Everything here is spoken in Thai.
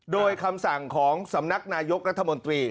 โดยคำสั่งของสำนักนายกรัฐมนตรี